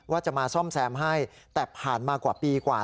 ว่าจะมาซ่อมแซมให้แต่ผ่านมากว่าปีกว่า